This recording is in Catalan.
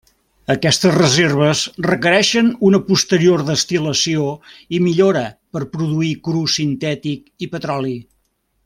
Aquestes reserves requereixen una posterior destil·lació i millora per produir cru sintètic i petroli.